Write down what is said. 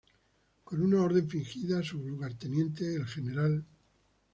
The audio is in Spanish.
Con una orden fingida a su lugarteniente el Gral.